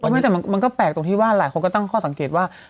ไม่แต่มันก็แปลกตรงที่ว่าหลายคนก็ตั้งข้อสังเกตว่า